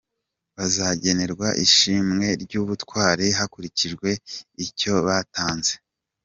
Bazagenerwa ishimwe ry’ubutwari hakurikijwe icyo batanze hanashingiwe kubushobozi bari bafite batanga uwo musanzu.